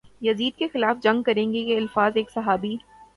یزید کے خلاف جنگ کریں گے یہ الفاظ ایک صحابی